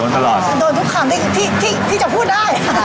โดนทุกคำอ่ะโดนทุกคำที่จะพูดได้